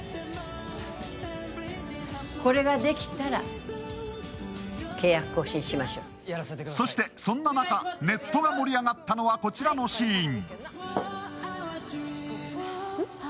その結果そしてそんな中、ネットが盛り上がったのはこちらのシーン。